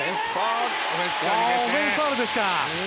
オフェンスファウルです。